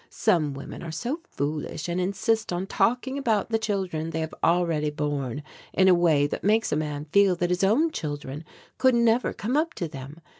Some women are so foolish and insist on talking about the children they have already borne in a way that makes a man feel that his own children could never come up to them.